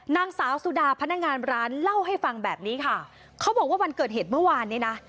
นางสาวสุดาพนักงานร้านเล่าให้ฟังแบบนี้ค่ะเขาบอกว่าวันเกิดเหตุเมื่อวานนี้นะ